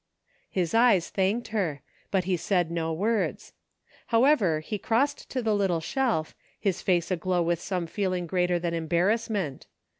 His eyes thanked her ; but he said no words. However, he crossed to the little shelf, his face aglow with some feeling greater than embarrass ment.